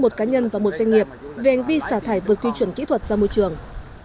một cá nhân và một doanh nghiệp về hành vi xả thải vượt quy chuẩn kỹ thuật ra môi trường